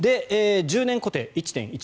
１０年固定、１．１０％。